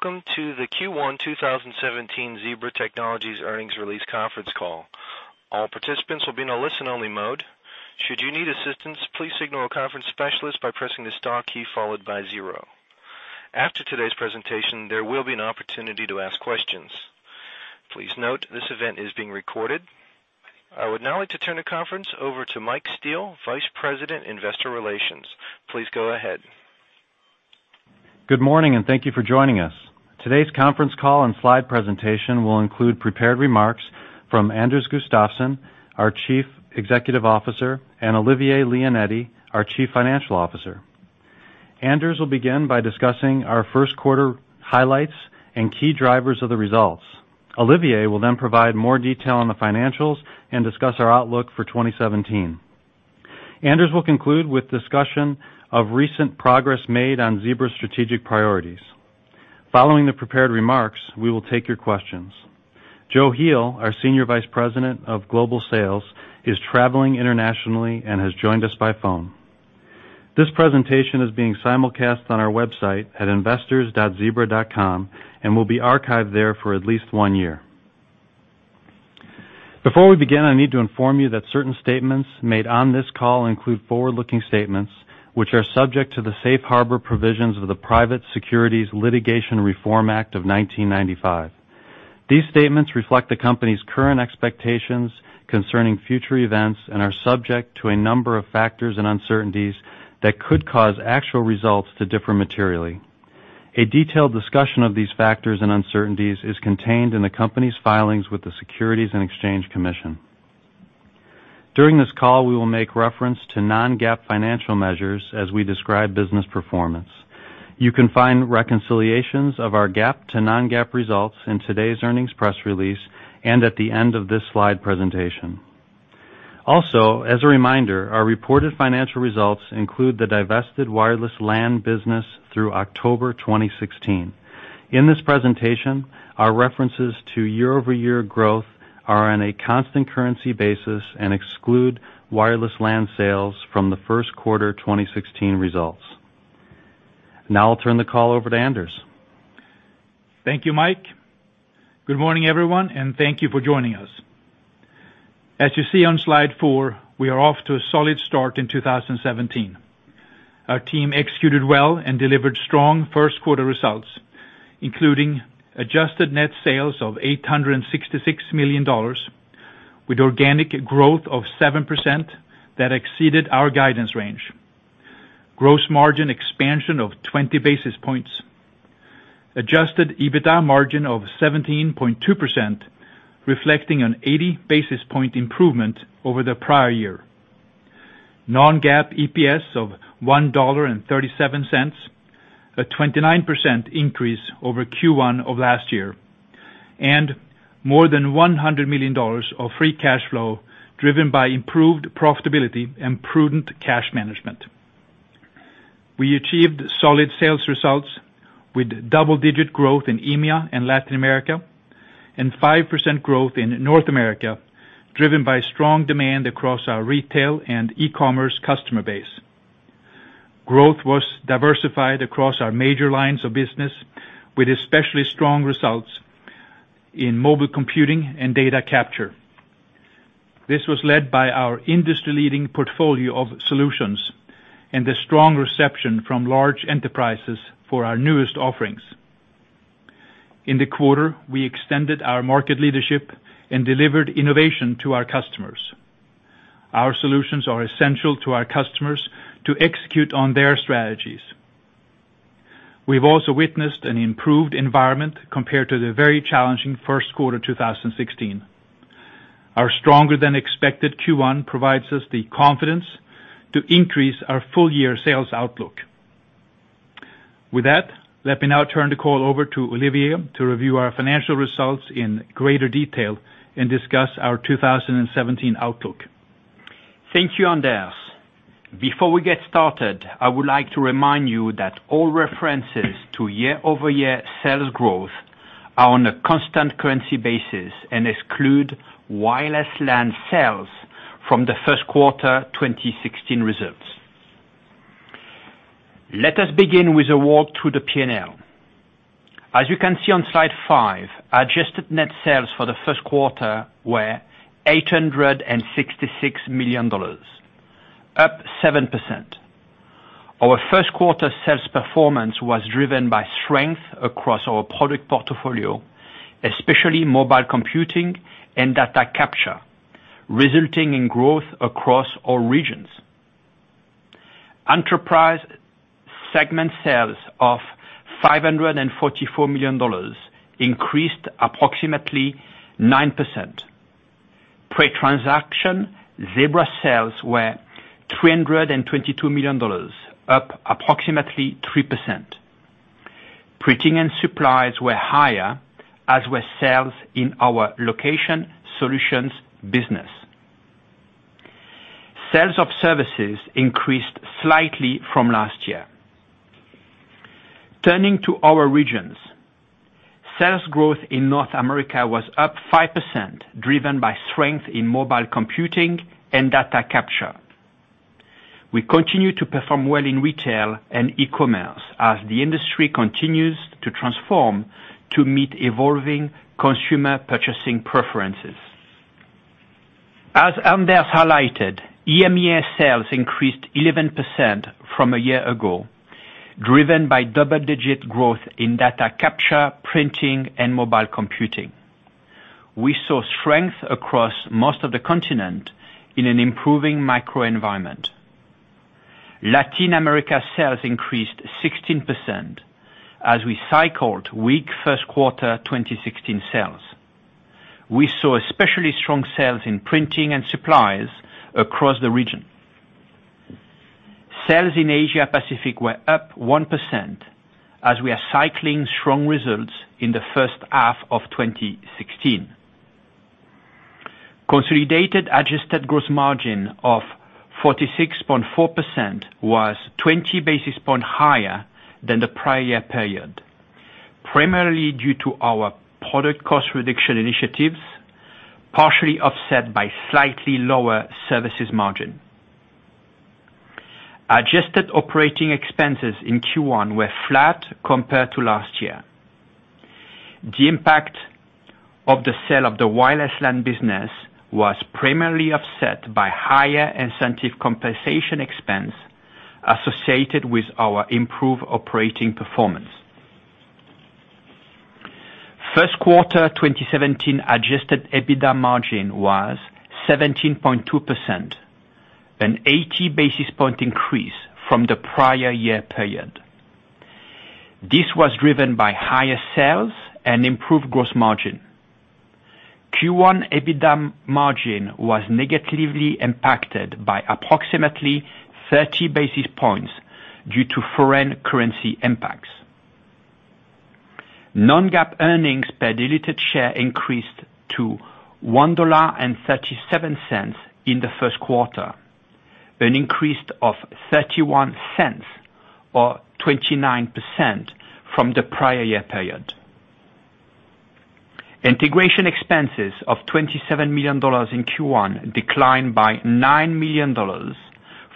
Good day, and welcome to the Q1 2017 Zebra Technologies earnings release conference call. All participants will be in a listen-only mode. Should you need assistance, please signal a conference specialist by pressing the star key followed by zero. After today's presentation, there will be an opportunity to ask questions. Please note this event is being recorded. I would now like to turn the conference over to Mike Steele, Vice President, Investor Relations. Please go ahead. Good morning. Thank you for joining us. Today's conference call and slide presentation will include prepared remarks from Anders Gustafsson, our Chief Executive Officer, and Olivier Leonetti, our Chief Financial Officer. Anders will begin by discussing our first quarter highlights and key drivers of the results. Olivier will provide more detail on the financials and discuss our outlook for 2017. Anders will conclude with discussion of recent progress made on Zebra's strategic priorities. Following the prepared remarks, we will take your questions. Joe Heel, our Senior Vice President of Global Sales, is traveling internationally and has joined us by phone. This presentation is being simulcast on our website at investors.zebra.com and will be archived there for at least one year. Before we begin, I need to inform you that certain statements made on this call include forward-looking statements, which are subject to the safe harbor provisions of the Private Securities Litigation Reform Act of 1995. These statements reflect the company's current expectations concerning future events and are subject to a number of factors and uncertainties that could cause actual results to differ materially. A detailed discussion of these factors and uncertainties is contained in the company's filings with the Securities and Exchange Commission. During this call, we will make reference to non-GAAP financial measures as we describe business performance. You can find reconciliations of our GAAP to non-GAAP results in today's earnings press release and at the end of this slide presentation. As a reminder, our reported financial results include the divested wireless LAN business through October 2016. In this presentation, our references to year-over-year growth are on a constant currency basis and exclude wireless LAN sales from the first quarter 2016 results. I'll turn the call over to Anders. Thank you, Mike. Good morning, everyone, and thank you for joining us. As you see on slide four, we are off to a solid start in 2017. Our team executed well and delivered strong first quarter results, including adjusted net sales of $866 million with organic growth of 7% that exceeded our guidance range. Gross margin expansion of 20 basis points. Adjusted EBITDA margin of 17.2%, reflecting an 80 basis point improvement over the prior year. Non-GAAP EPS of $1.37, a 29% increase over Q1 of last year, and more than $100 million of free cash flow driven by improved profitability and prudent cash management. We achieved solid sales results with double-digit growth in EMEA and Latin America and 5% growth in North America, driven by strong demand across our retail and e-commerce customer base. Growth was diversified across our major lines of business, with especially strong results in mobile computing and data capture. This was led by our industry-leading portfolio of solutions and the strong reception from large enterprises for our newest offerings. In the quarter, we extended our market leadership and delivered innovation to our customers. Our solutions are essential to our customers to execute on their strategies. We have also witnessed an improved environment compared to the very challenging first quarter 2016. Our stronger than expected Q1 provides us the confidence to increase our full year sales outlook. With that, let me now turn the call over to Olivier to review our financial results in greater detail and discuss our 2017 outlook. Thank you, Anders. Before we get started, I would like to remind you that all references to year-over-year sales growth are on a constant currency basis and exclude wireless LAN sales from the first quarter 2016 results. Let us begin with a walk through the P&L. As you can see on slide five, adjusted net sales for the first quarter were $866 million, up 7%. Our first quarter sales performance was driven by strength across our product portfolio, especially mobile computing and data capture, resulting in growth across all regions. Enterprise segment sales of $544 million increased approximately 9%. Pre-transaction Zebra sales were $322 million, up approximately 3%. Printing and supplies were higher, as were sales in our location solutions business. Sales of services increased slightly from last year. Turning to our regions. Sales growth in North America was up 5%, driven by strength in mobile computing and data capture. We continue to perform well in retail and e-commerce as the industry continues to transform to meet evolving consumer purchasing preferences. As Anders highlighted, EMEA sales increased 11% from a year ago, driven by double-digit growth in data capture, printing, and mobile computing. We saw strength across most of the continent in an improving microenvironment. Latin America sales increased 16% as we cycled weak first quarter 2016 sales. We saw especially strong sales in printing and supplies across the region. Sales in Asia Pacific were up 1% as we are cycling strong results in the first half of 2016. Consolidated adjusted gross margin of 46.4% was 20 basis point higher than the prior year period, primarily due to our product cost reduction initiatives, partially offset by slightly lower services margin. Adjusted operating expenses in Q1 were flat compared to last year. The impact of the sale of the wireless LAN business was primarily offset by higher incentive compensation expense associated with our improved operating performance. First quarter 2017 adjusted EBITDA margin was 17.2%, an 80 basis point increase from the prior year period. This was driven by higher sales and improved gross margin. Q1 EBITDA margin was negatively impacted by approximately 30 basis points due to foreign currency impacts. Non-GAAP earnings per diluted share increased to $1.37 in the first quarter, an increase of $0.31 or 29% from the prior year period. Integration expenses of $27 million in Q1 declined by $9 million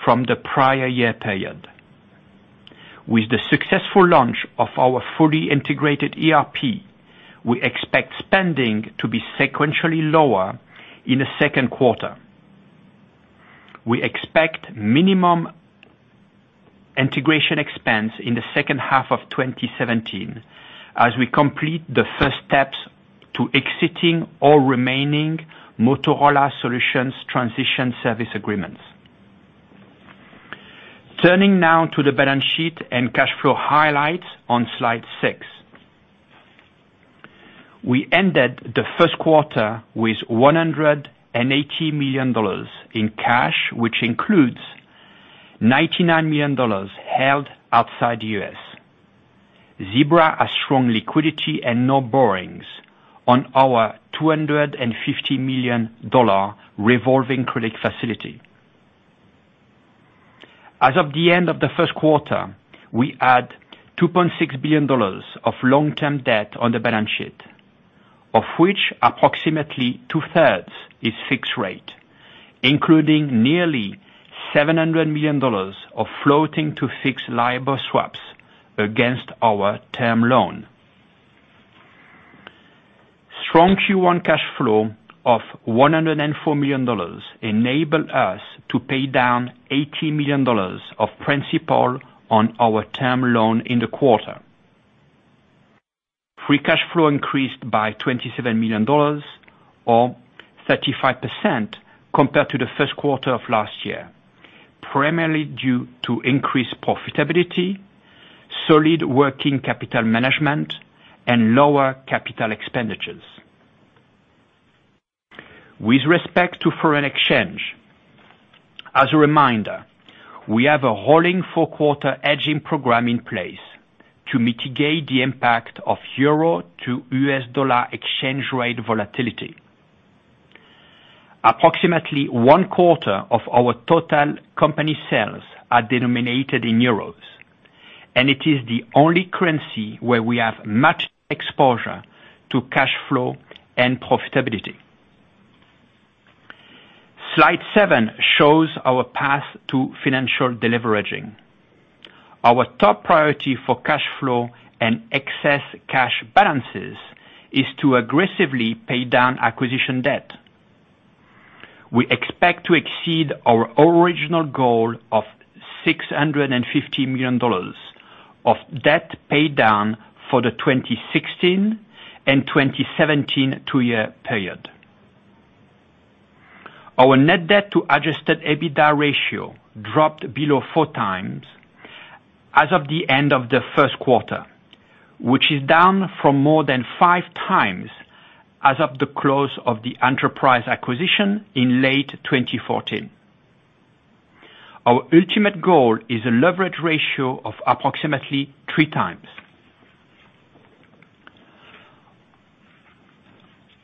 from the prior year period. With the successful launch of our fully integrated ERP, we expect spending to be sequentially lower in the second quarter. We expect minimum integration expense in the second half of 2017 as we complete the first steps to exiting all remaining Motorola Solutions Transition Service Agreements. Turning now to the balance sheet and cash flow highlights on slide six. We ended the first quarter with $180 million in cash, which includes $99 million held outside the U.S. Zebra has strong liquidity and no borrowings on our $250 million revolving credit facility. As of the end of the first quarter, we had $2.6 billion of long-term debt on the balance sheet, of which approximately two-thirds is fixed rate, including nearly $700 million of floating to fixed LIBOR swaps against our term loan. Strong Q1 cash flow of $104 million enabled us to pay down $80 million of principal on our term loan in the quarter. Free cash flow increased by $27 million or 35% compared to the first quarter of last year, primarily due to increased profitability, solid working capital management, and lower capital expenditures. With respect to foreign exchange, as a reminder, we have a rolling four-quarter hedging program in place to mitigate the impact of euro to U.S. dollar exchange rate volatility. Approximately one quarter of our total company sales are denominated in euros, and it is the only currency where we have much exposure to cash flow and profitability. Slide seven shows our path to financial deleveraging. Our top priority for cash flow and excess cash balances is to aggressively pay down acquisition debt. We expect to exceed our original goal of $650 million of debt paydown for the 2016 and 2017 two-year period. Our net debt to adjusted EBITDA ratio dropped below four times as of the end of the first quarter, which is down from more than five times as of the close of the Enterprise acquisition in late 2014. Our ultimate goal is a leverage ratio of approximately three times.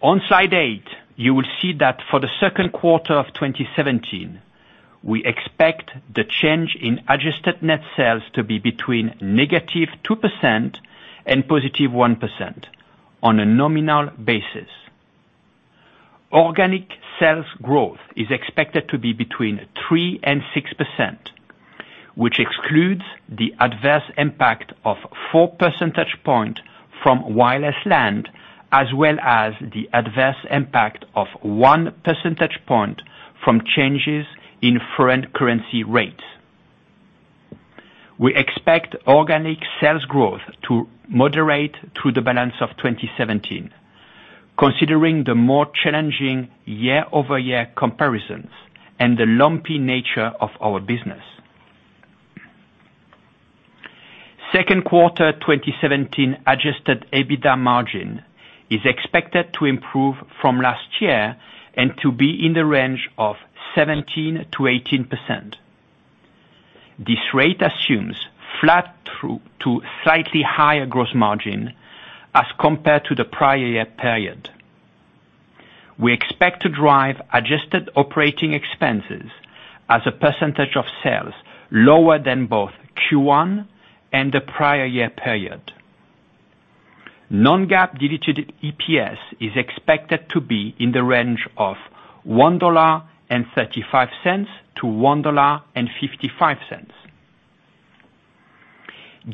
On slide eight, you will see that for the second quarter of 2017, we expect the change in adjusted net sales to be between negative 2% and positive 1% on a nominal basis. Organic sales growth is expected to be between 3% and 6%, which excludes the adverse impact of four percentage points from wireless LAN, as well as the adverse impact of one percentage point from changes in foreign currency rates. We expect organic sales growth to moderate through the balance of 2017, considering the more challenging year-over-year comparisons and the lumpy nature of our business. Second quarter 2017 adjusted EBITDA margin is expected to improve from last year and to be in the range of 17%-18%. This rate assumes flat through to slightly higher gross margin as compared to the prior year period. We expect to drive adjusted operating expenses as a percentage of sales lower than both Q1 and the prior year period. Non-GAAP diluted EPS is expected to be in the range of $1.35-$1.55.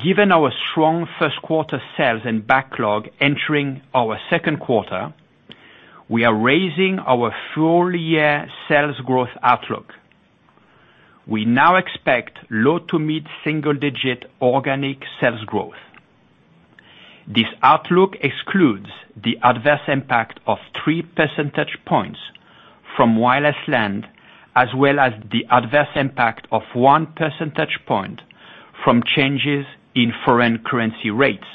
Given our strong first quarter sales and backlog entering our second quarter, we are raising our full-year sales growth outlook. We now expect low to mid single digit organic sales growth. This outlook excludes the adverse impact of three percentage points from wireless LAN, as well as the adverse impact of one percentage point from changes in foreign currency rates.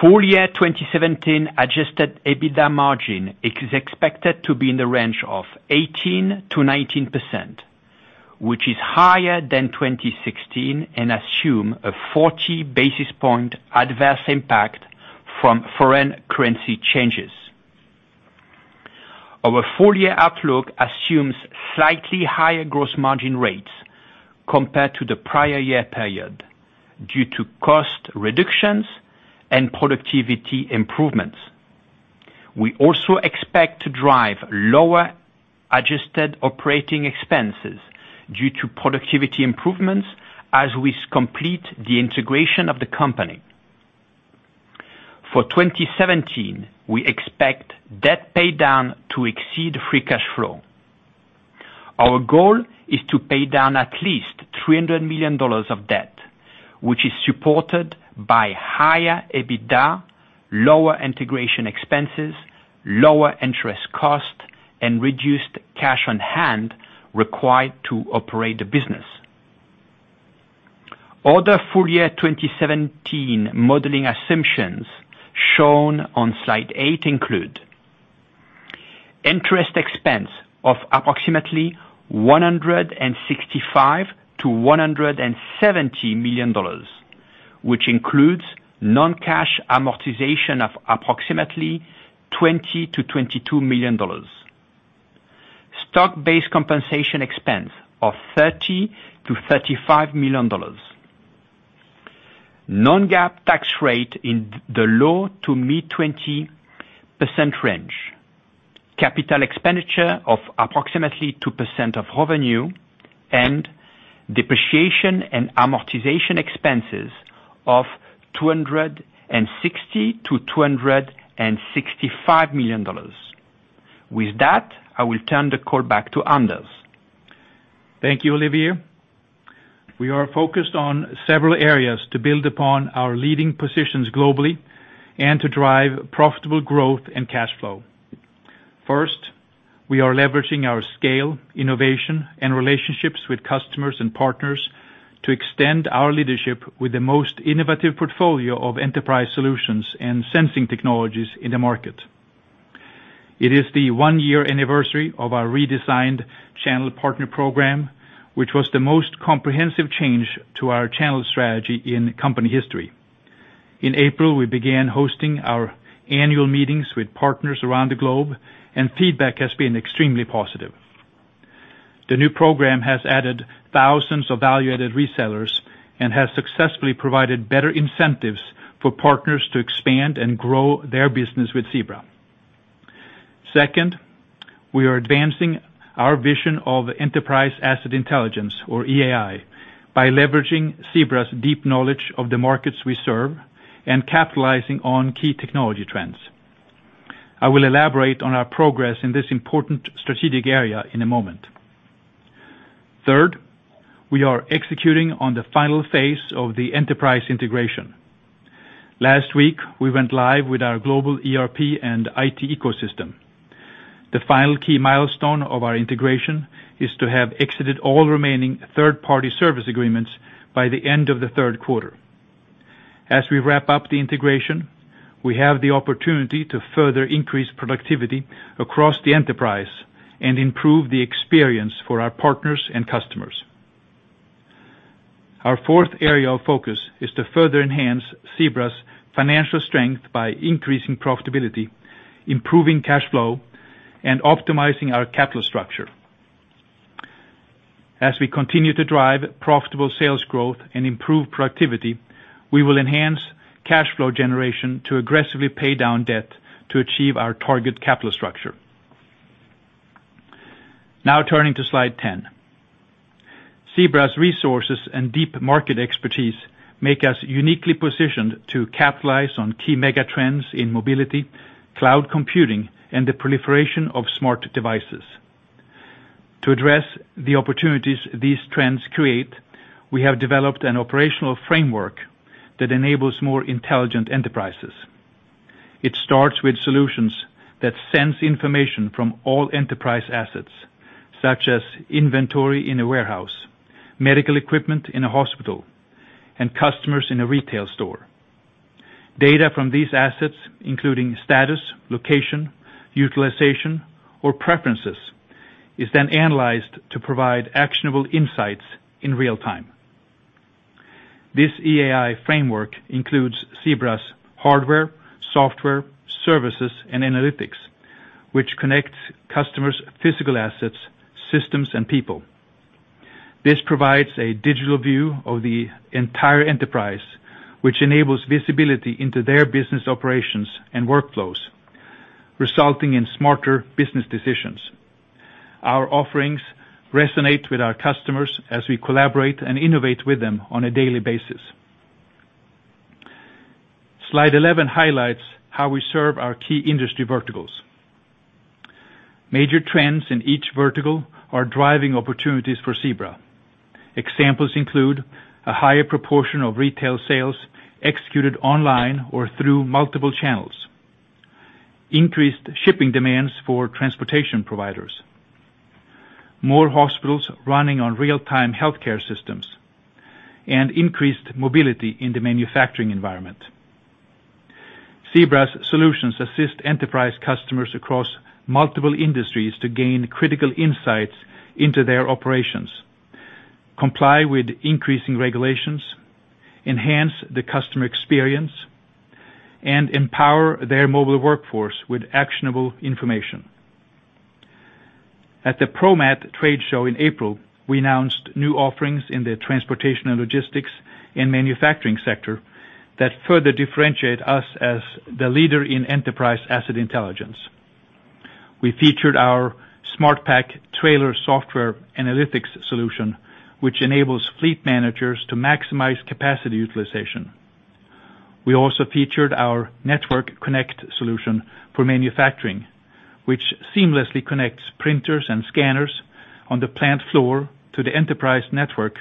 Full year 2017 adjusted EBITDA margin is expected to be in the range of 18%-19%, which is higher than 2016, and assume a 40 basis point adverse impact from foreign currency changes. Our full year outlook assumes slightly higher gross margin rates compared to the prior year period due to cost reductions and productivity improvements. We also expect to drive lower adjusted operating expenses due to productivity improvements as we complete the integration of the company. For 2017, we expect debt paydown to exceed free cash flow. Our goal is to pay down at least $300 million of debt, which is supported by higher EBITDA, lower integration expenses, lower interest costs, and reduced cash on hand required to operate the business. Other full year 2017 modeling assumptions shown on slide eight include: interest expense of approximately $165 million-$170 million, which includes non-cash amortization of approximately $20 million-$22 million. Stock-based compensation expense of $30 million-$35 million. Non-GAAP tax rate in the low to mid 20% range. Capital expenditure of approximately 2% of revenue and depreciation and amortization expenses of $260 million-$265 million. With that, I will turn the call back to Anders. Thank you, Olivier. We are focused on several areas to build upon our leading positions globally and to drive profitable growth and cash flow. First, we are leveraging our scale, innovation, and relationships with customers and partners to extend our leadership with the most innovative portfolio of enterprise solutions and sensing technologies in the market. It is the one-year anniversary of our redesigned channel partner program, which was the most comprehensive change to our channel strategy in company history. In April, we began hosting our annual meetings with partners around the globe, and feedback has been extremely positive. The new program has added thousands of value-added resellers and has successfully provided better incentives for partners to expand and grow their business with Zebra. Second, we are advancing our vision of enterprise asset intelligence, or EAI, by leveraging Zebra's deep knowledge of the markets we serve and capitalizing on key technology trends. I will elaborate on our progress in this important strategic area in a moment. Third, we are executing on the final phase of the enterprise integration. Last week, we went live with our global ERP and IT ecosystem. The final key milestone of our integration is to have exited all remaining third-party service agreements by the end of the third quarter. As we wrap up the integration, we have the opportunity to further increase productivity across the enterprise and improve the experience for our partners and customers. Our fourth area of focus is to further enhance Zebra's financial strength by increasing profitability, improving cash flow, and optimizing our capital structure. As we continue to drive profitable sales growth and improve productivity, we will enhance cash flow generation to aggressively pay down debt to achieve our target capital structure. Now, turning to slide 10. Zebra's resources and deep market expertise make us uniquely positioned to capitalize on key mega trends in mobility, cloud computing, and the proliferation of smart devices. To address the opportunities these trends create, we have developed an operational framework that enables more intelligent enterprises. It starts with solutions that sense information from all enterprise assets, such as inventory in a warehouse, medical equipment in a hospital, and customers in a retail store. Data from these assets, including status, location, utilization, or preferences, is then analyzed to provide actionable insights in real time. This EAI framework includes Zebra's hardware, software, services, and analytics, which connects customers' physical assets, systems, and people. This provides a digital view of the entire enterprise, which enables visibility into their business operations and workflows, resulting in smarter business decisions. Our offerings resonate with our customers as we collaborate and innovate with them on a daily basis. Slide 11 highlights how we serve our key industry verticals. Major trends in each vertical are driving opportunities for Zebra. Examples include a higher proportion of retail sales executed online or through multiple channels, increased shipping demands for transportation providers, more hospitals running on real-time healthcare systems, and increased mobility in the manufacturing environment. Zebra's solutions assist enterprise customers across multiple industries to gain critical insights into their operations, comply with increasing regulations, enhance the customer experience, and empower their mobile workforce with actionable information. At the ProMat trade show in April, we announced new offerings in the transportation and logistics and manufacturing sector that further differentiate us as the leader in enterprise asset intelligence. We featured our SmartPack trailer software analytics solution, which enables fleet managers to maximize capacity utilization. We also featured our Network Connect solution for manufacturing, which seamlessly connects printers and scanners on the plant floor to the enterprise network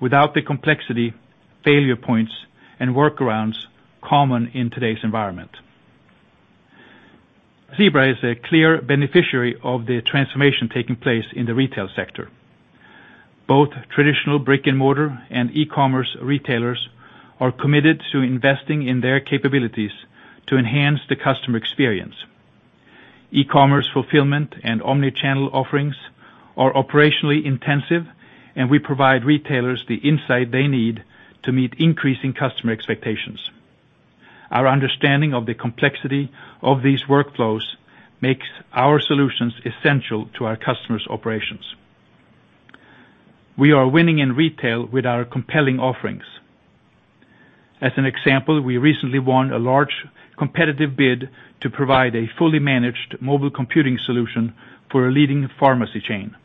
without the complexity, failure points, and workarounds common in today's environment. Zebra is a clear beneficiary of the transformation taking place in the retail sector. Both traditional brick and mortar and e-commerce retailers are committed to investing in their capabilities to enhance the customer experience. E-commerce fulfillment and omni-channel offerings are operationally intensive, and we provide retailers the insight they need to meet increasing customer expectations. Our understanding of the complexity of these workflows makes our solutions essential to our customers' operations. We are winning in retail with our compelling offerings. As an example, we recently won a large competitive bid to provide a fully managed mobile computing solution for a leading pharmacy chain.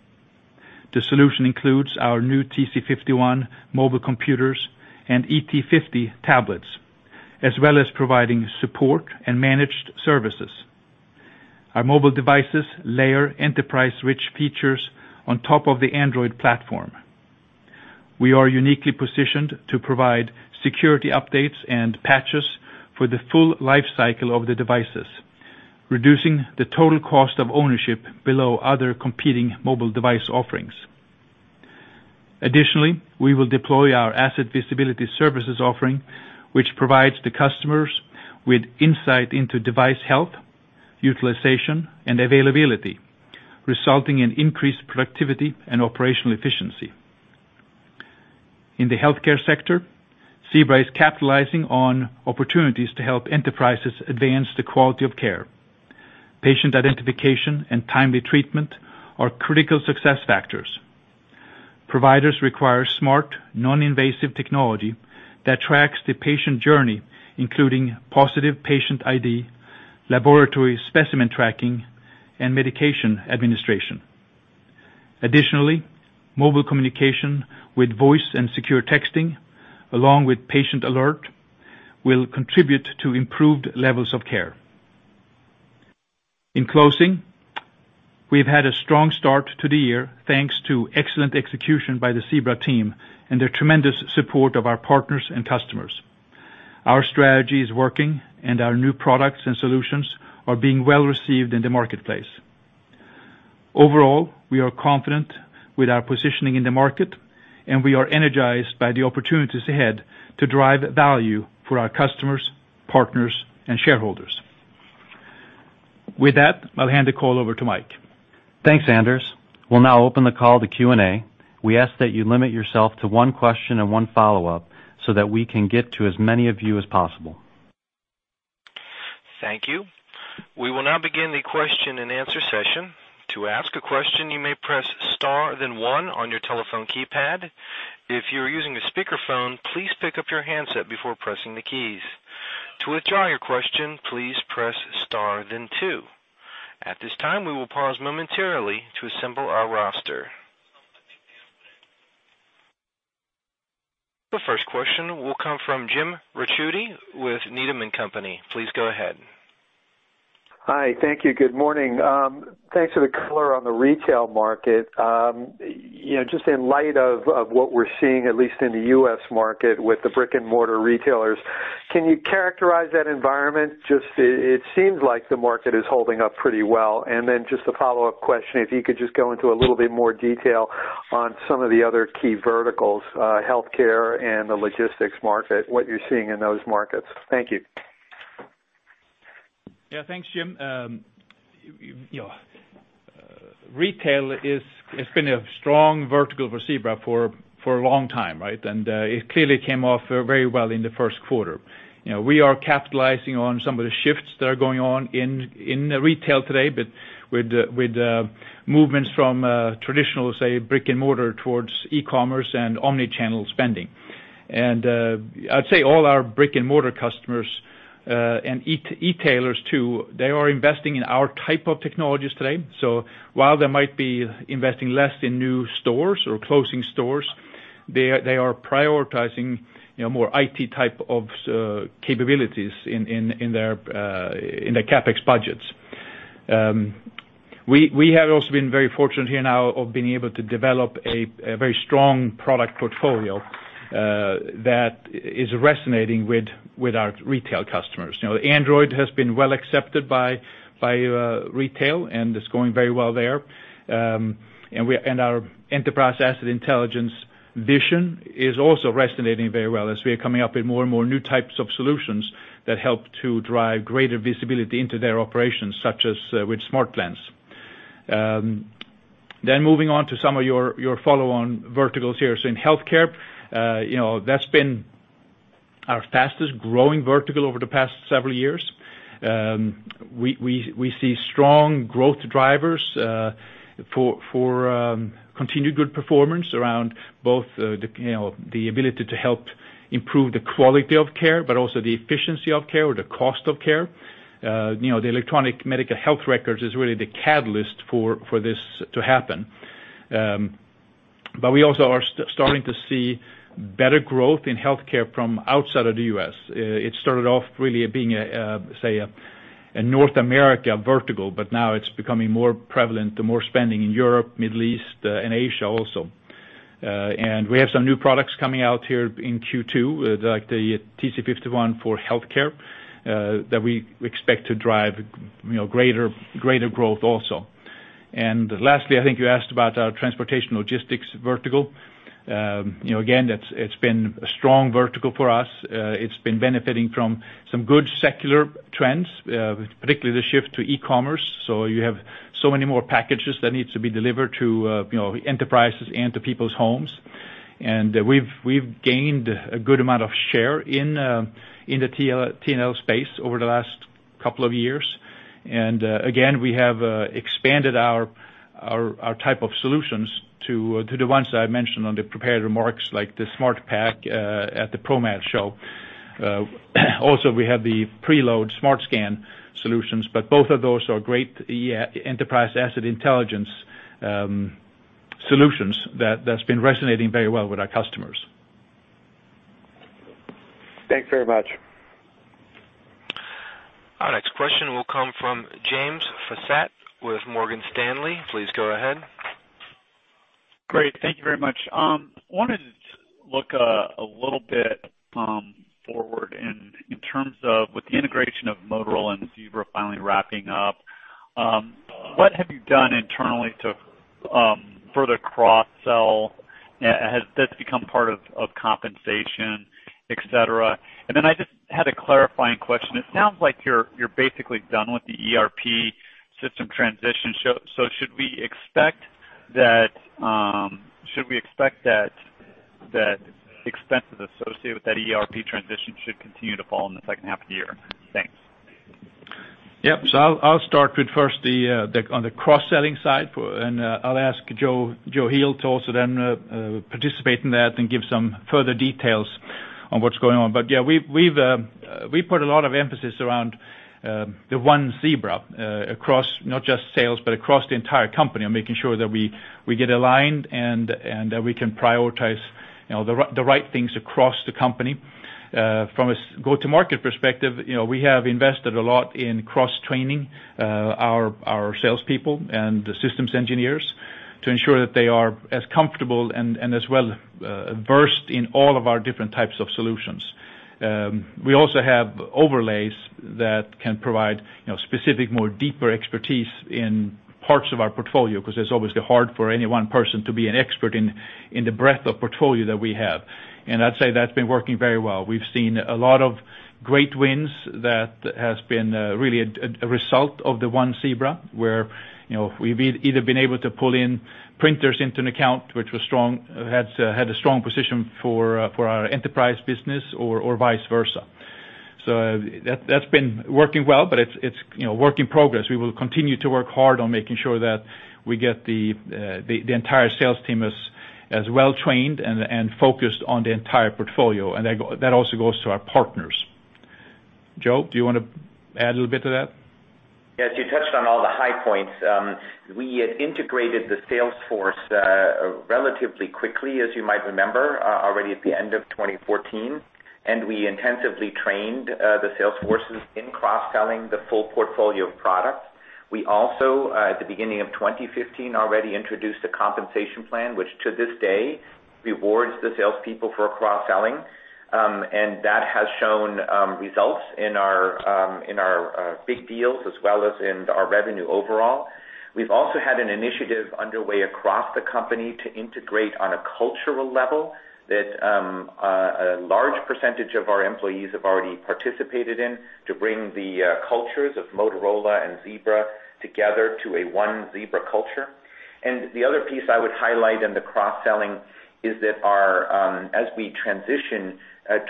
The solution includes our new TC51 mobile computers and ET50 tablets, as well as providing support and managed services. Our mobile devices layer enterprise-rich features on top of the Android platform. We are uniquely positioned to provide security updates and patches for the full life cycle of the devices, reducing the total cost of ownership below other competing mobile device offerings. Additionally, we will deploy our asset visibility services offering, which provides the customers with insight into device health, utilization, and availability, resulting in increased productivity and operational efficiency. In the healthcare sector, Zebra is capitalizing on opportunities to help enterprises advance the quality of care. Patient identification and timely treatment are critical success factors. Providers require smart, non-invasive technology that tracks the patient journey, including positive patient ID, laboratory specimen tracking, and medication administration. Additionally, mobile communication with voice and secure texting, along with patient alert, will contribute to improved levels of care. In closing, we've had a strong start to the year, thanks to excellent execution by the Zebra team and the tremendous support of our partners and customers. Our strategy is working, and our new products and solutions are being well-received in the marketplace. Overall, we are confident with our positioning in the market, and we are energized by the opportunities ahead to drive value for our customers, partners, and shareholders. With that, I'll hand the call over to Mike. Thanks, Anders. We'll now open the call to Q&A. We ask that you limit yourself to one question and one follow-up so that we can get to as many of you as possible. Thank you. We will now begin the question and answer session. To ask a question, you may press star then one on your telephone keypad. If you're using a speakerphone, please pick up your handset before pressing the keys. To withdraw your question, please press star then two. At this time, we will pause momentarily to assemble our roster. The first question will come from James Ricchiuti with Needham & Company. Please go ahead. Hi. Thank you. Good morning. Thanks for the color on the retail market. Just in light of what we're seeing, at least in the U.S. market with the brick-and-mortar retailers, can you characterize that environment? Just, it seems like the market is holding up pretty well. Just a follow-up question, if you could just go into a little bit more detail on some of the other key verticals, healthcare and the logistics market, what you're seeing in those markets. Thank you. Yeah, thanks, Jim. Retail has been a strong vertical for Zebra for a long time, right? It clearly came off very well in the first quarter. We are capitalizing on some of the shifts that are going on in retail today, but with movements from traditional, say, brick-and-mortar towards e-commerce and omni-channel spending. I'd say all our brick-and-mortar customers, and e-tailers too, they are investing in our type of technologies today. While they might be investing less in new stores or closing stores, they are prioritizing more IT type of capabilities in their CapEx budgets. We have also been very fortunate here now of being able to develop a very strong product portfolio that is resonating with our retail customers. Android has been well accepted by retail, and it's going very well there. Our enterprise asset intelligence vision is also resonating very well as we are coming up with more and more new types of solutions that help to drive greater visibility into their operations, such as with SmartLens. Moving on to some of your follow-on verticals here. In healthcare, that's been our fastest-growing vertical over the past several years. We see strong growth drivers for continued good performance around both the ability to help improve the quality of care, but also the efficiency of care or the cost of care. The electronic medical health records is really the catalyst for this to happen. We also are starting to see better growth in healthcare from outside of the U.S. It started off really being, say, a North America vertical, but now it's becoming more prevalent, the more spending in Europe, Middle East, and Asia also. We have some new products coming out here in Q2, like the TC51 for healthcare, that we expect to drive greater growth also. Lastly, I think you asked about our transportation logistics vertical. Again, it's been a strong vertical for us. It's been benefiting from some good secular trends, particularly the shift to e-commerce. You have so many more packages that need to be delivered to enterprises and to people's homes. We've gained a good amount of share in the T&L space over the last couple of years. Again, we have expanded our type of solutions to the ones that I mentioned on the prepared remarks, like the SmartPack at the ProMat show. Also, we have the Preload Smart Scan solutions, but both of those are great enterprise asset intelligence solutions that's been resonating very well with our customers. Thanks very much. Our next question will come from James Faucette with Morgan Stanley. Please go ahead. Great. Thank you very much. I wanted to look a little bit forward in terms of with the integration of Motorola and Zebra finally wrapping up. What have you done internally to further cross-sell? Has this become part of compensation, et cetera? I just had a clarifying question. It sounds like you're basically done with the ERP system transition. Should we expect that expenses associated with that ERP transition should continue to fall in the second half of the year? Thanks. Yep. I'll start with first on the cross-selling side, and I'll ask Joe Heel to also then participate in that and give some further details on what's going on. Yeah, we put a lot of emphasis around the One Zebra, across not just sales, but across the entire company, and making sure that we get aligned and that we can prioritize the right things across the company. From a go-to-market perspective, we have invested a lot in cross-training our salespeople and the systems engineers to ensure that they are as comfortable and as well versed in all of our different types of solutions. We also have overlays that can provide specific, more deeper expertise in parts of our portfolio, because it's obviously hard for any one person to be an expert in the breadth of portfolio that we have. I'd say that's been working very well. We've seen a lot of great wins that has been really a result of the One Zebra, where we've either been able to pull in printers into an account which had a strong position for our enterprise business or vice versa. That's been working well, but it's a work in progress. We will continue to work hard on making sure that we get the entire sales team as well-trained and focused on the entire portfolio, and that also goes to our partners. Joe, do you want to add a little bit to that? Yes, you touched on all the high points. We had integrated the sales force relatively quickly, as you might remember, already at the end of 2014, and we intensively trained the sales forces in cross-selling the full portfolio of products. We also, at the beginning of 2015, already introduced a compensation plan, which to this day rewards the salespeople for cross-selling. That has shown results in our big deals as well as in our revenue overall. We've also had an initiative underway across the company to integrate on a cultural level that a large percentage of our employees have already participated in to bring the cultures of Motorola and Zebra together to a One Zebra culture. The other piece I would highlight in the cross-selling is that as we transition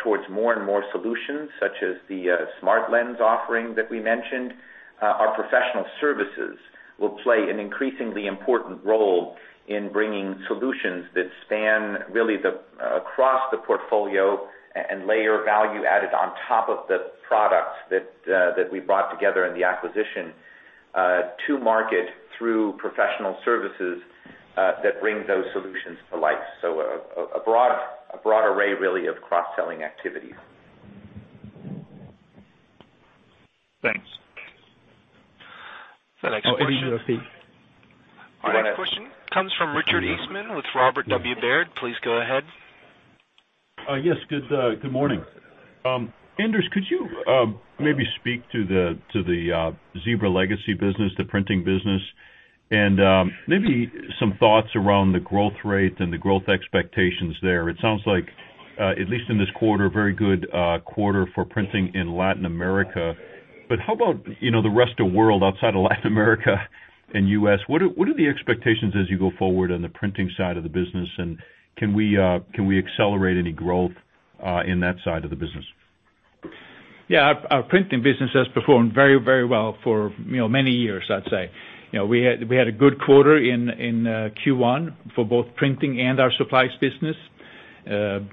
towards more and more solutions, such as the SmartLens offering that we mentioned, our professional services will play an increasingly important role in bringing solutions that span really across the portfolio and layer value added on top of the products that we brought together in the acquisition to market through professional services that bring those solutions to life. A broad array really of cross-selling activities. Thanks. Our next question. Olivier, do you have anything? Our next question comes from Richard Eastman with Robert W. Baird. Please go ahead. Yes. Good morning. Anders, could you maybe speak to the Zebra legacy business, the printing business, and maybe some thoughts around the growth rate and the growth expectations there? It sounds like, at least in this quarter, very good quarter for printing in Latin America. How about the rest of world outside of Latin America and U.S.? What are the expectations as you go forward on the printing side of the business, and can we accelerate any growth in that side of the business? Yeah, our printing business has performed very well for many years, I'd say. We had a good quarter in Q1 for both printing and our supplies business. The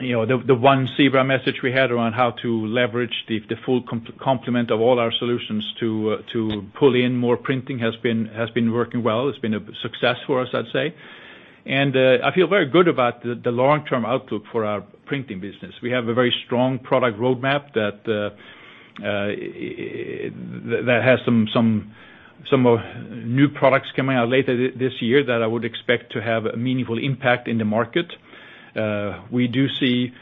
One Zebra message we had around how to leverage the full complement of all our solutions to pull in more printing has been working well, has been a success for us, I'd say. I feel very good about the long-term outlook for our printing business. We have a very strong product roadmap that has some new products coming out later this year that I would expect to have a meaningful impact in the market. We do see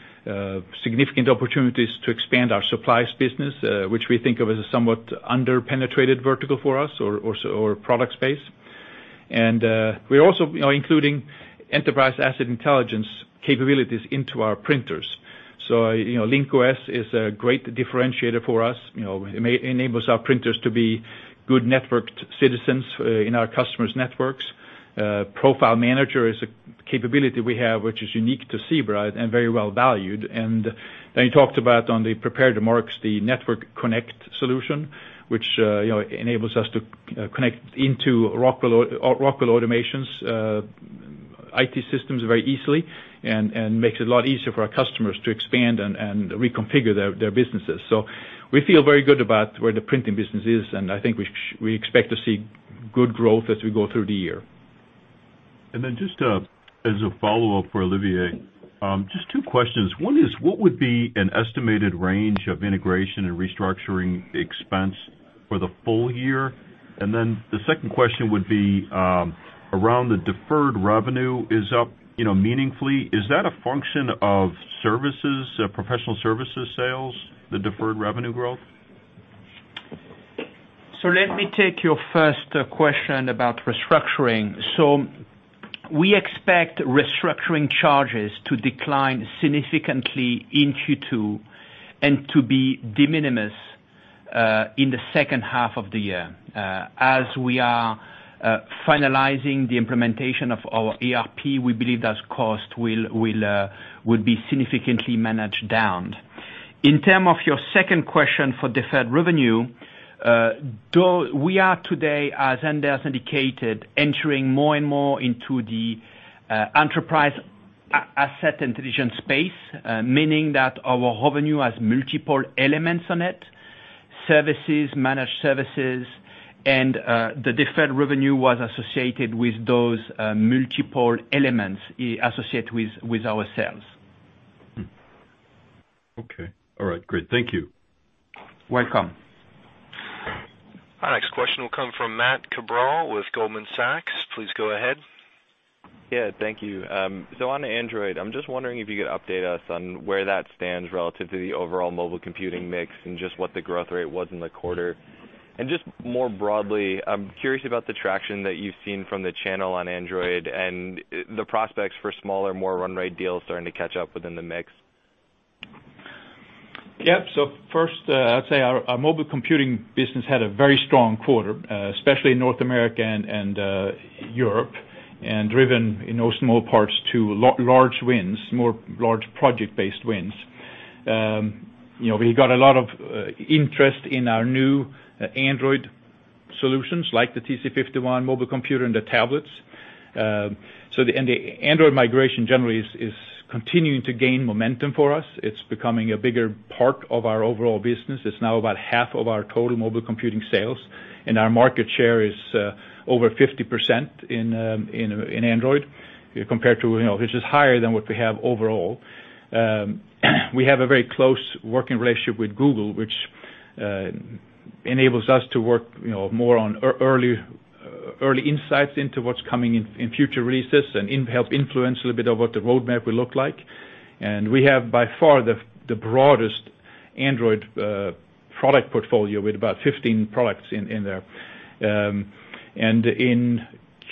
significant opportunities to expand our supplies business, which we think of as a somewhat under-penetrated vertical for us or product space. We're also including enterprise asset intelligence capabilities into our printers. Link-OS is a great differentiator for us. It enables our printers to be good networked citizens in our customers' networks. Profile Manager is a capability we have, which is unique to Zebra and very well valued. We talked about on the prepared remarks, the Network Connect solution, which enables us to connect into Rockwell Automation's IT systems very easily and makes it a lot easier for our customers to expand and reconfigure their businesses. We feel very good about where the printing business is, and I think we expect to see good growth as we go through the year. Just as a follow-up for Olivier, just two questions. One is, what would be an estimated range of integration and restructuring expense for the full year? The second question would be around the deferred revenue is up meaningfully. Is that a function of services, professional services sales, the deferred revenue growth? Olivier. Let me take your first question about restructuring. We expect restructuring charges to decline significantly in Q2 and to be de minimis in the second half of the year. As we are finalizing the implementation of our ERP, we believe that cost would be significantly managed down. In term of your second question for deferred revenue, we are today, as Anders indicated, entering more and more into the enterprise asset intelligence space, meaning that our revenue has multiple elements on it, services, managed services, and the deferred revenue was associated with those multiple elements associated with our sales. Okay. All right, great. Thank you. Welcome. Our next question will come from Matt Cabral with Goldman Sachs. Please go ahead. Yeah, thank you. On Android, I'm just wondering if you could update us on where that stands relative to the overall mobile computing mix and just what the growth rate was in the quarter. More broadly, I'm curious about the traction that you've seen from the channel on Android and the prospects for smaller, more run rate deals starting to catch up within the mix. Yep. First, I'd say our mobile computing business had a very strong quarter, especially in North America and Europe, driven in no small parts to large wins, more large project-based wins. We got a lot of interest in our new Android solutions like the TC51 mobile computer and the tablets. The Android migration generally is continuing to gain momentum for us. It's becoming a bigger part of our overall business. It's now about half of our total mobile computing sales, and our market share is over 50% in Android, which is higher than what we have overall. We have a very close working relationship with Google, which enables us to work more on early insights into what's coming in future releases, and help influence a little bit of what the roadmap will look like. We have by far the broadest Android product portfolio with about 15 products in there. In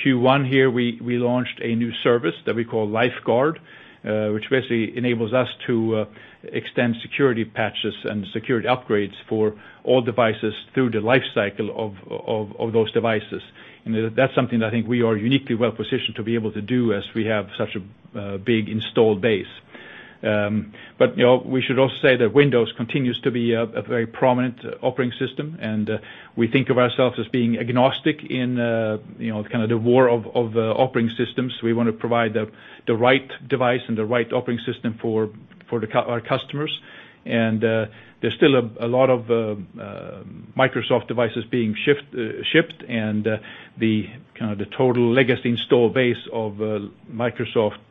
Q1 here, we launched a new service that we call LifeGuard, which basically enables us to extend security patches and security upgrades for all devices through the life cycle of those devices. That's something that I think we are uniquely well positioned to be able to do as we have such a big installed base. We should also say that Windows continues to be a very prominent operating system, and we think of ourselves as being agnostic in the war of operating systems. We want to provide the right device and the right operating system for our customers. There's still a lot of Microsoft devices being shipped, and the total legacy install base of Microsoft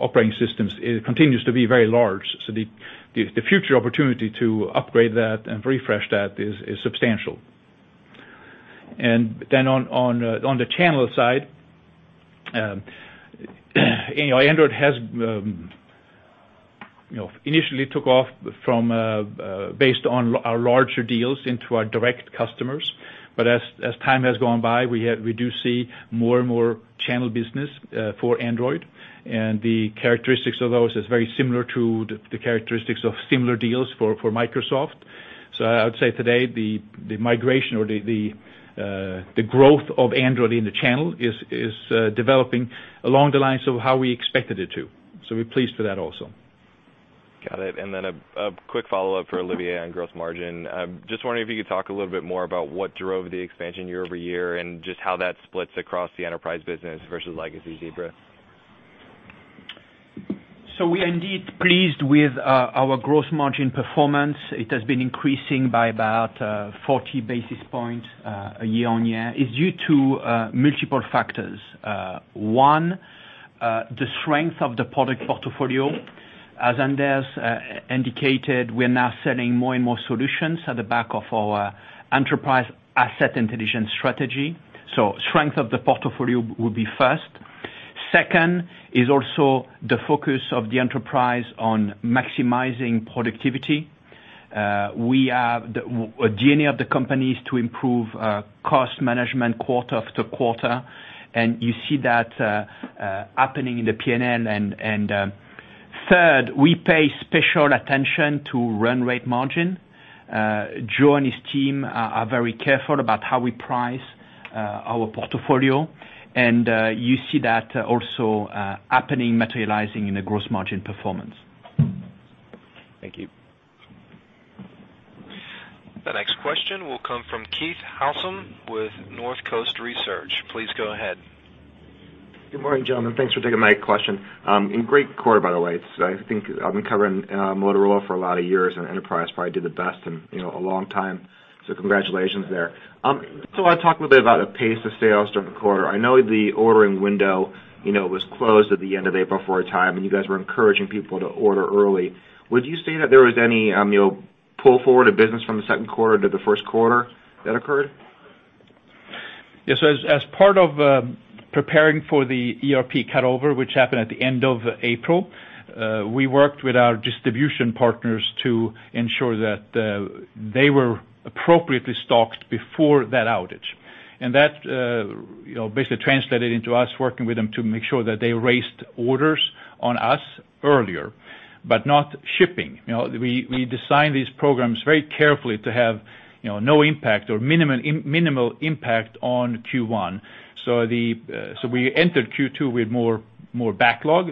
operating systems continues to be very large. The future opportunity to upgrade that and refresh that is substantial. On the channel side, Android initially took off based on our larger deals into our direct customers. As time has gone by, we do see more and more channel business for Android, the characteristics of those is very similar to the characteristics of similar deals for Microsoft. I would say today, the migration or the growth of Android in the channel is developing along the lines of how we expected it to. We're pleased with that also. Got it. A quick follow-up for Olivier on gross margin. Just wondering if you could talk a little bit more about what drove the expansion year-over-year, just how that splits across the enterprise business versus legacy Zebra. We are indeed pleased with our gross margin performance. It has been increasing by about 40 basis points year-on-year, is due to multiple factors. One, the strength of the product portfolio. As Anders indicated, we are now selling more and more solutions at the back of our enterprise asset intelligence strategy. Strength of the portfolio will be first. Second is also the focus of the enterprise on maximizing productivity. The DNA of the company is to improve cost management quarter after quarter, you see that happening in the P&L. Third, we pay special attention to run rate margin. Joe and his team are very careful about how we price our portfolio, you see that also happening, materializing in the gross margin performance. Thank you. The next question will come from Keith Housum with Northcoast Research. Please go ahead. Good morning, gentlemen. Thanks for taking my question. Great quarter, by the way. I've been covering Motorola for a lot of years, and Enterprise probably did the best in a long time. Congratulations there. I want to talk a little bit about the pace of sales during the quarter. I know the ordering window was closed at the end of April for a time, and you guys were encouraging people to order early. Would you say that there was any pull forward of business from the second quarter to the first quarter that occurred? Yes. As part of preparing for the ERP cutover, which happened at the end of April, we worked with our distribution partners to ensure that they were appropriately stocked before that outage. That basically translated into us working with them to make sure that they raised orders on us earlier, but not shipping. We designed these programs very carefully to have no impact or minimal impact on Q1. We entered Q2 with more backlog,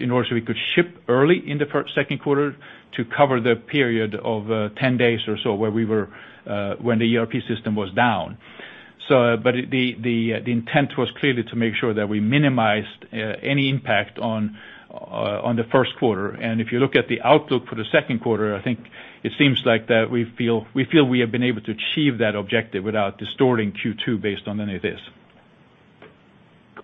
in order so we could ship early in the second quarter to cover the period of 10 days or so when the ERP system was down. The intent was clearly to make sure that we minimized any impact on the first quarter. If you look at the outlook for the second quarter, I think it seems like that we feel we have been able to achieve that objective without distorting Q2 based on any of this.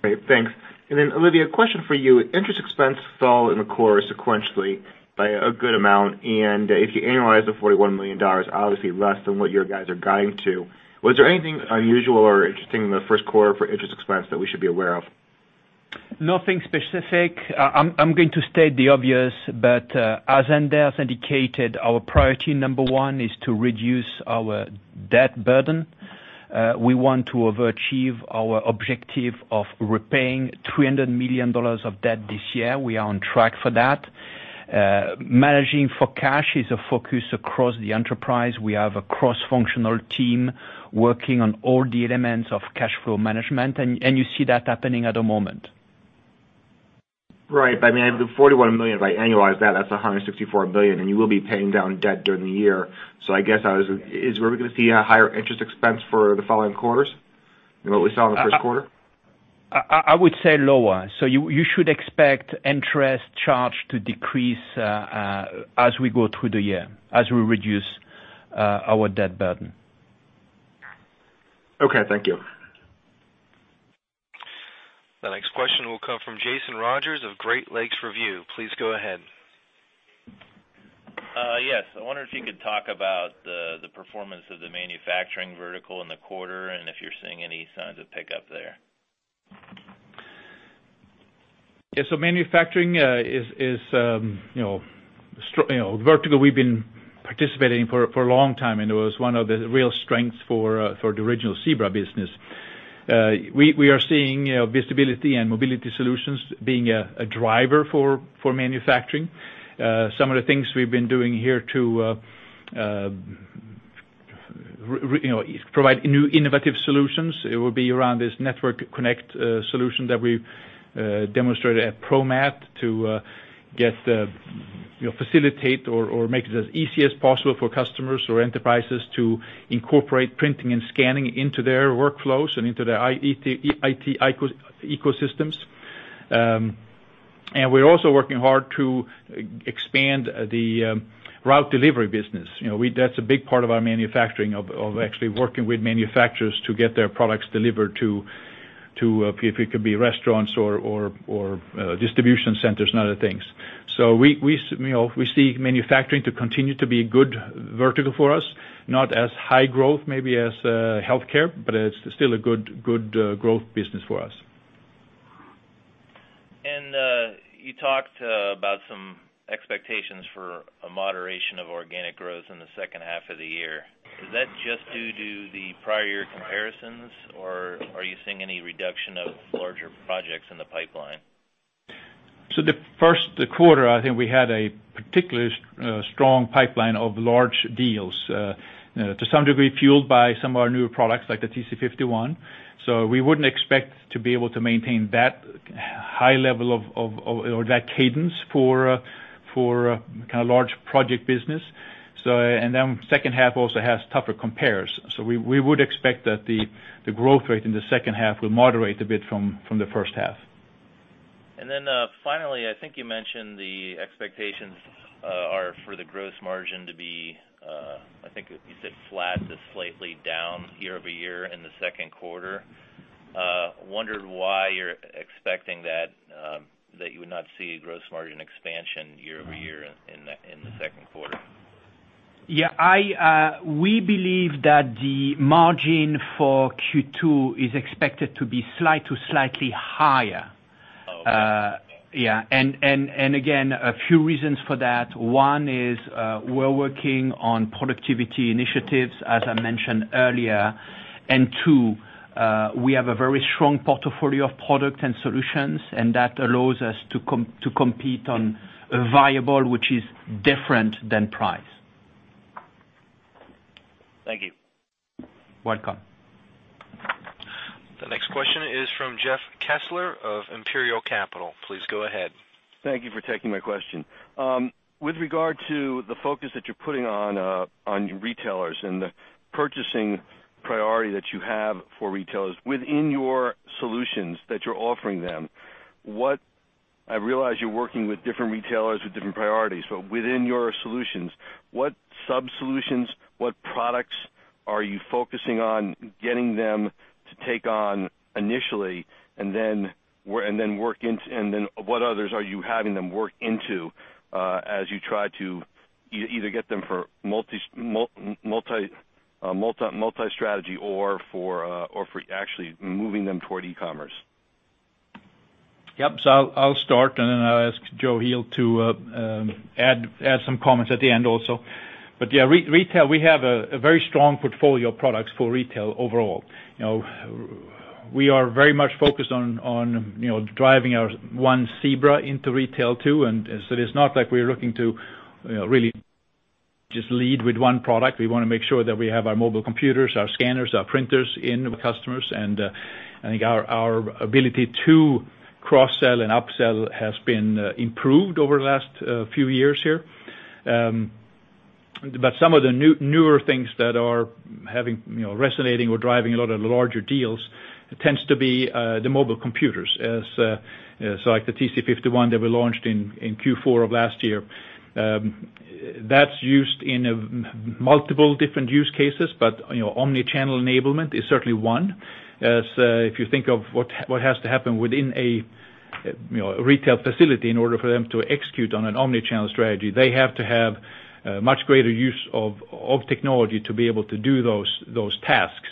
Great. Thanks. Olivier, a question for you. Interest expense fell in the quarter sequentially by a good amount, if you annualize the $41 million, obviously less than what your guys are guiding to. Was there anything unusual or interesting in the first quarter for interest expense that we should be aware of? Nothing specific. I'm going to state the obvious, as Anders indicated, our priority number 1 is to reduce our debt burden. We want to overachieve our objective of repaying $300 million of debt this year. We are on track for that. Managing for cash is a focus across the enterprise. We have a cross-functional team working on all the elements of cash flow management, you see that happening at the moment. Right. I mean, the $41 million, if I annualize that's $164 million, you will be paying down debt during the year. I guess, are we going to see a higher interest expense for the following quarters than what we saw in the first quarter? I would say lower. You should expect interest charge to decrease as we go through the year, as we reduce our debt burden. Okay, thank you. The next question will come from Jason Rogers of Great Lakes Review. Please go ahead. Yes. I wonder if you could talk about the performance of the manufacturing vertical in the quarter, and if you're seeing any signs of pickup there. Yeah. Manufacturing is a vertical we've been participating in for a long time, and it was one of the real strengths for the original Zebra business. We are seeing visibility and mobility solutions being a driver for manufacturing. Some of the things we've been doing here to provide new innovative solutions, it would be around this Network Connect solution that we demonstrated at ProMat to facilitate or make it as easy as possible for customers or enterprises to incorporate printing and scanning into their workflows and into their IT ecosystems. We're also working hard to expand the route delivery business. That's a big part of our manufacturing, of actually working with manufacturers to get their products delivered to, it could be restaurants or distribution centers and other things. We see manufacturing to continue to be a good vertical for us. Not as high growth maybe as healthcare, but it's still a good growth business for us. You talked about some expectations for a moderation of organic growth in the second half of the year. Is that just due to the prior year comparisons, or are you seeing any reduction of larger projects in the pipeline? The first quarter, I think we had a particularly strong pipeline of large deals, to some degree fueled by some of our newer products, like the TC51. We wouldn't expect to be able to maintain that high level or that cadence for large project business. Then second half also has tougher compares. We would expect that the growth rate in the second half will moderate a bit from the first half. Then finally, I think you mentioned the expectations are for the gross margin to be, I think you said flat to slightly down year-over-year in the second quarter. Wondered why you're expecting that you would not see a gross margin expansion year-over-year in the second quarter. Yeah. We believe that the margin for Q2 is expected to be slight to slightly higher. Okay. Yeah. Again, a few reasons for that. One is, we're working on productivity initiatives, as I mentioned earlier. Two, we have a very strong portfolio of product and solutions, and that allows us to compete on a variable which is different than price. Thank you. Welcome. The next question is from Jeffrey Kessler of Imperial Capital. Please go ahead. Thank you for taking my question. With regard to the focus that you're putting on retailers and the purchasing priority that you have for retailers within your solutions that you're offering them, I realize you're working with different retailers with different priorities, but within your solutions, what sub-solutions, what products are you focusing on getting them to take on initially? Then what others are you having them work into, as you try to either get them for multi-strategy or for actually moving them toward e-commerce? Yep. I'll start, and then I'll ask Joe Heel to add some comments at the end also. Yeah, retail, we have a very strong portfolio of products for retail overall. We are very much focused on driving our One Zebra into retail too, so it's not like we're looking to really just lead with one product. We want to make sure that we have our mobile computers, our scanners, our printers in with customers. I think our ability to cross-sell and upsell has been improved over the last few years here. Some of the newer things that are resonating or driving a lot of the larger deals tends to be the mobile computers. Like the TC51 that we launched in Q4 of last year. That's used in multiple different use cases, but omni-channel enablement is certainly one. If you think of what has to happen within a retail facility in order for them to execute on an omni-channel strategy, they have to have much greater use of technology to be able to do those tasks.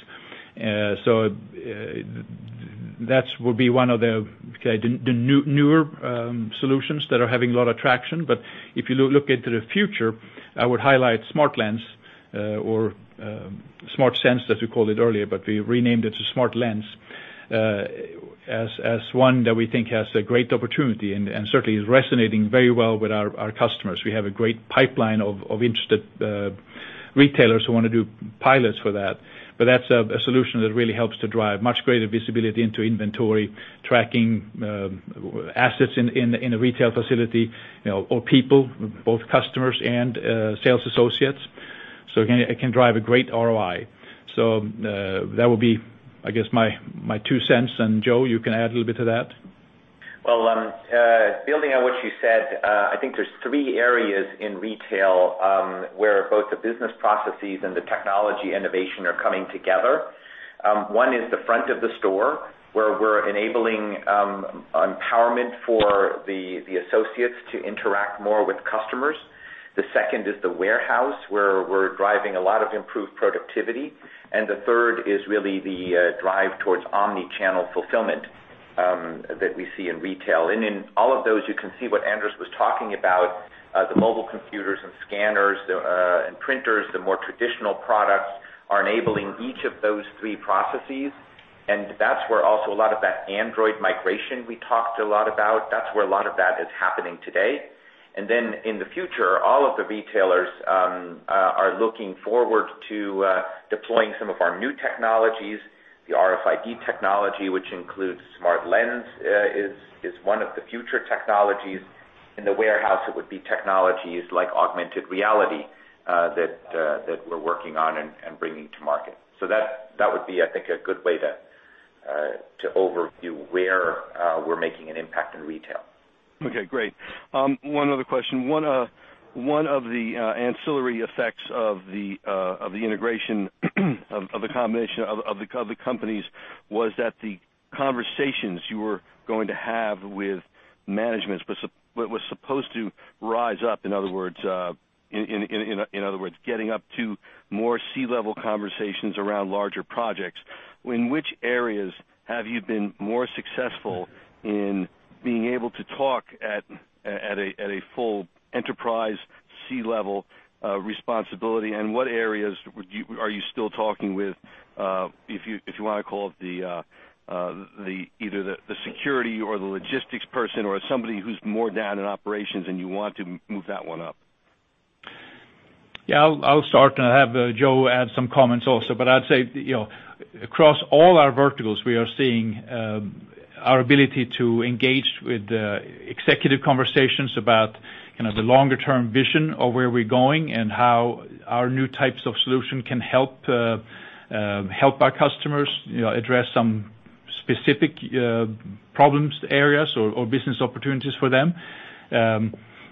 That would be one of the newer solutions that are having a lot of traction. If you look into the future, I would highlight SmartLens, or Smart Sense as we called it earlier, but we renamed it to SmartLens, as one that we think has a great opportunity and certainly is resonating very well with our customers. We have a great pipeline of interested retailers who want to do pilots for that. That's a solution that really helps to drive much greater visibility into inventory, tracking assets in a retail facility, or people, both customers and sales associates. It can drive a great ROI. That would be, I guess, my two cents. Joe, you can add a little bit to that. Well, building on what you said, I think there's three areas in retail, where both the business processes and the technology innovation are coming together. One is the front of the store, where we're enabling empowerment for the associates to interact more with customers. The second is the warehouse, where we're driving a lot of improved productivity, and the third is really the drive towards omni-channel fulfillment that we see in retail. In all of those, you can see what Anders was talking about, the mobile computers and scanners, and printers, the more traditional products are enabling each of those three processes. That's where also a lot of that Android migration we talked a lot about, that's where a lot of that is happening today. In the future, all of the retailers are looking forward to deploying some of our new technologies. The RFID technology, which includes SmartLens, is one of the future technologies. In the warehouse, it would be technologies like augmented reality, that we're working on and bringing to market. That would be, I think, a good way to overview where we're making an impact in retail. Okay, great. One other question. One of the ancillary effects of the integration of the combination of the companies was that the conversations you were going to have with managements, but was supposed to rise up, in other words, getting up to more C-level conversations around larger projects. In which areas have you been more successful in being able to talk at a full enterprise C-level responsibility, and what areas are you still talking with, if you want to call it either the security or the logistics person or somebody who's more down in operations, and you want to move that one up? Yeah, I'll start and have Joe add some comments also. I'd say, across all our verticals, we are seeing our ability to engage with executive conversations about the longer-term vision of where we're going and how our new types of solution can help our customers address some specific problems, areas or business opportunities for them.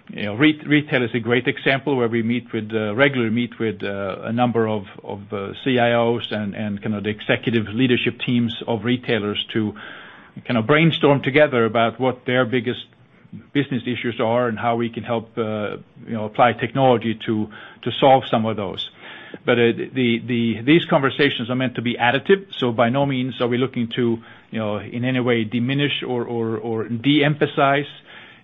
Retail is a great example where we regularly meet with a number of CIOs and the executive leadership teams of retailers to brainstorm together about what their biggest business issues are and how we can help apply technology to solve some of those. These conversations are meant to be additive, so by no means are we looking to, in any way, diminish or de-emphasize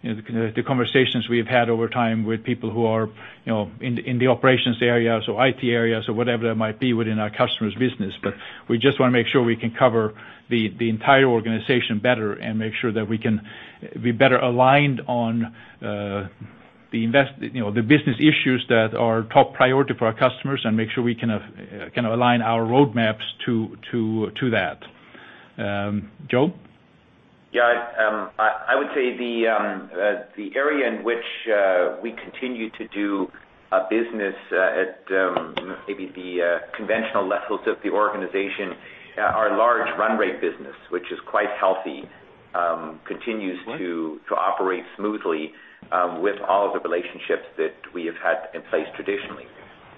the conversations we've had over time with people who are in the operations areas or IT areas or whatever that might be within our customer's business. We just want to make sure we can cover the entire organization better and make sure that we can be better aligned on the business issues that are top priority for our customers and make sure we can align our roadmaps to that. Joe? Yeah. I would say the area in which we continue to do business at maybe the conventional levels of the organization, our large run rate business, which is quite healthy, continues to operate smoothly, with all of the relationships that we have had in place traditionally.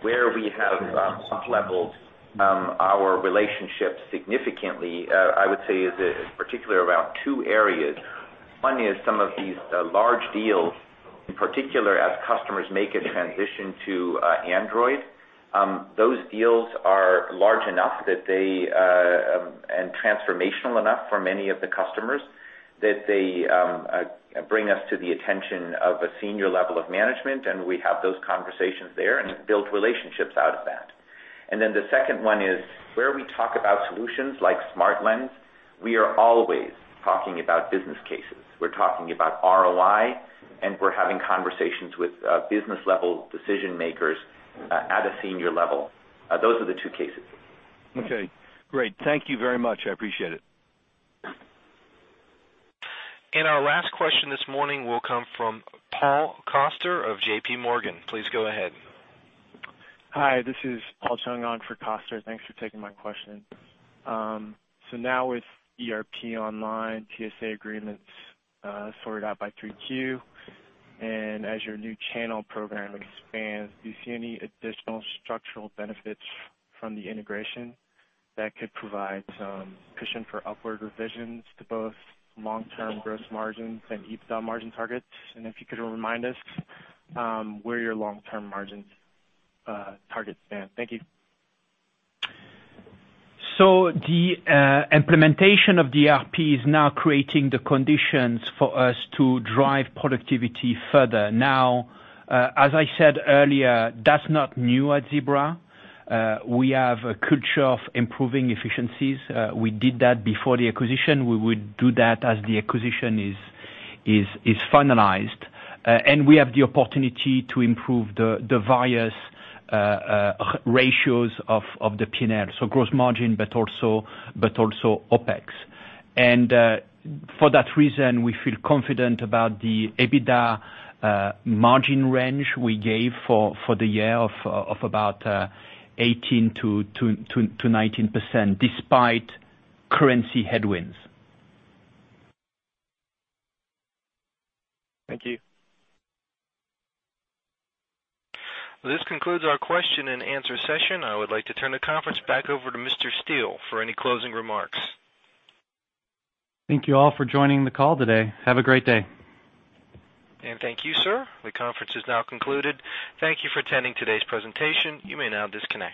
Where we have upleveled our relationships significantly, I would say, is particularly around two areas. One is some of these large deals, in particular, as customers make a transition to Android. Those deals are large enough and transformational enough for many of the customers, that they bring us to the attention of a senior level of management, and we have those conversations there and build relationships out of that. Then the second one is where we talk about solutions like SmartLens, we are always talking about business cases. We're talking about ROI, and we're having conversations with business level decision makers at a senior level. Those are the two cases. Okay, great. Thank you very much. I appreciate it. Our last question this morning will come from Paul Coster of J.P. Morgan. Please go ahead. Hi, this is Paul Chung on for Coster. Thanks for taking my question. Now with ERP online, TSA agreements sorted out by 3Q, and as your new channel program expands, do you see any additional structural benefits from the integration that could provide some cushion for upward revisions to both long-term gross margins and EBITDA margin targets? If you could remind us where your long-term margins targets stand. Thank you. The implementation of the ERP is now creating the conditions for us to drive productivity further. Now, as I said earlier, that's not new at Zebra. We have a culture of improving efficiencies. We did that before the acquisition. We would do that as the acquisition is finalized. We have the opportunity to improve the various ratios of the P&L, so gross margin, but also OpEx. For that reason, we feel confident about the EBITDA margin range we gave for the year of about 18%-19%, despite currency headwinds. Thank you. This concludes our question and answer session. I would like to turn the conference back over to Mr. Steele for any closing remarks. Thank you all for joining the call today. Have a great day. Thank you, sir. The conference is now concluded. Thank you for attending today's presentation. You may now disconnect.